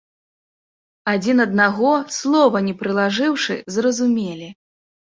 Адзін аднаго, слова не прылажыўшы, зразумелі.